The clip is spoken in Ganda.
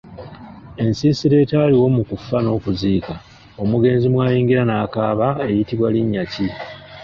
Ensiisira ataaliwo mu kufa n’okuziika omugenzi mwayingira n’akaaba eyitibwa linnya ki?.